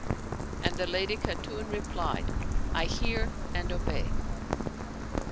" And the Lady Khatun replied, " I hear and obey."